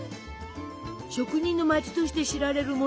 職人の町として知られるモデナ。